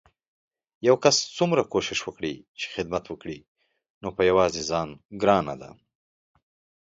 يو کس څومره کوښښ وکړي چې خدمت وکړي نو په يوازې ځان ګرانه ده